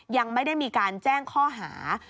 ยังไม่ได้มีการแจ้งข้อหา